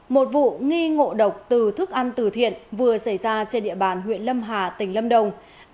một vụ nghi ngộ độc từ thức ăn tử thiện vừa xảy ra trên địa bàn huyện lâm hà tỉnh lâm đồng